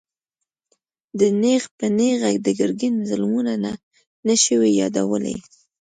ده نېغ په نېغه د ګرګين ظلمونه نه شوای يادولای.